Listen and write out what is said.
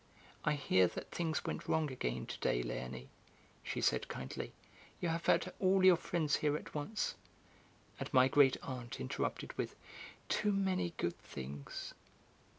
"I hear that things went wrong again to day, Léonie," she said kindly, "you have had all your friends here at once." And my great aunt interrupted with: "Too many good things..."